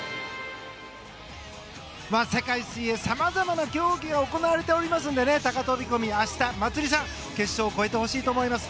世界水泳さまざまな競技が行われておりますので高飛込明日、祭里さん決勝を超えてほしいと思います。